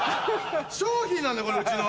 商品なんだこれうちの。